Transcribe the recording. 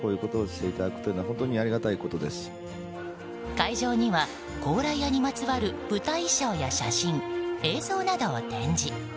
会場には高麗屋にまつわる舞台衣装や写真映像などを展示。